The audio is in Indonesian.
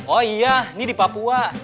oh iya ini di papua